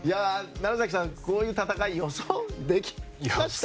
楢崎さん、こういう戦い予想できました？